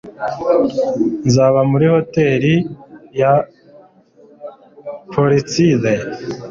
Nzaba muri Hotel ya Portside.